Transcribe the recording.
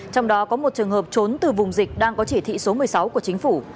trong đó có một trường hợp trốn từ vùng dịch đang có chỉ thị số một mươi sáu của chính phủ